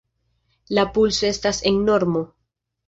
La pulso estas en normo.